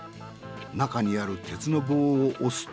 中にある鉄の棒を押すと。